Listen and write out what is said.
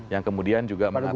yang kemudian juga mengatakan